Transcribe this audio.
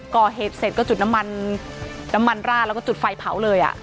ก่อเหตุเสร็จก็จุดน้ำมันน้ำมันราดแล้วก็จุดไฟเผาเลย